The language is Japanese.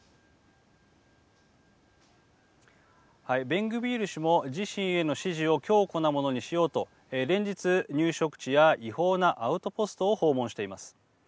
ベングビール氏も自身への支持を強固なものにしようと連日、入植地や違法なアウトポストを訪問しています。